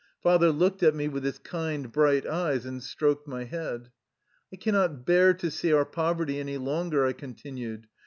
Father looked at me with his kind, bright eyes, and stroked my head. " I cannot bear to see our poverty any longer,'' I continued.